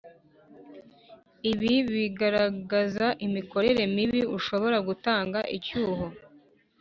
ibi bigaragaza imikorere mibi ishobora gutanga icyuho